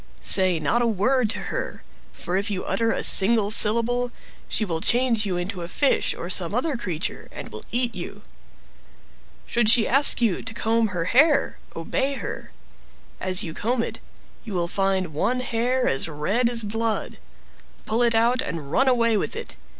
Say not a word to her; for if you utter a single syllable, she will change you into a fish or some other creature, and eat you. Should she ask you to comb her hair, obey her. As you comb it, you will find one hair as red as blood; pull it out, and run away with it.